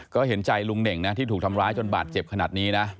ก็เห็นใจลุงเน่งนะที่ถูกทำร้ายจนบาดเจ็บขนาดนี้นะ